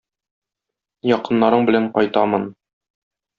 Якыннарың белән кайтамын!